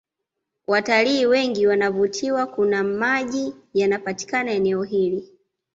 Watalii wengi wanavutiwa kuna maji yanapita eneo hili